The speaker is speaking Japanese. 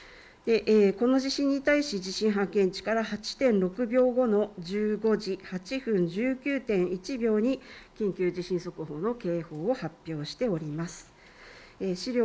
この地震に対し地震波形値から８．６秒後の１５時８分１９．１秒に緊急地震速報の警報を発表しております。